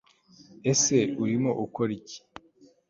ese urimo ukora iki